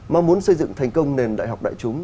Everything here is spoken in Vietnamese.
mong muốn xây dựng thành công nền đại học đại chúng